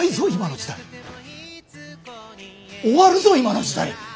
終わるぞ今の時代。